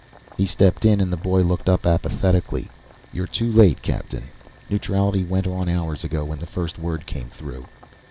He stepped in and the boy looked up apathetically. "You're too late, captain. Neutrality went on hours ago when the first word came through.